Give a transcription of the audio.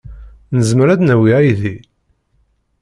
Nezmer ad d-nawi aydi?